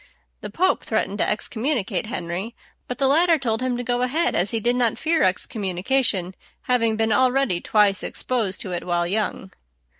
The Pope threatened to excommunicate Henry; but the latter told him to go ahead, as he did not fear excommunication, having been already twice exposed to it while young.